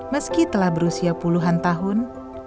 meski telah berusia puluhan tahun